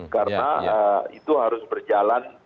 karena itu harus berjalan